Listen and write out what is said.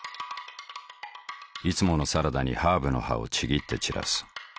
いつものサラダにハーブの葉をちぎって散らす。